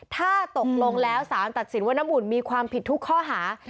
ถ้าตกลงแล้วสารตัดสินว่าน้ำอุ่นมีความผิดทุกข้อหา